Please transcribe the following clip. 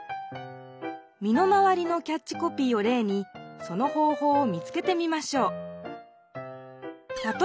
みの回りのキャッチコピーをれいにその方法を見つけてみましょう。